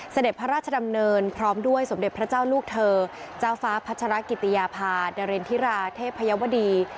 เสด็จพระราชดำเนินพร้อมด้วยสมเด็จพระเจ้าลูกเธอเจ้าฟ้าพัชรกิติยาพาดรินทิราเทพยาวดี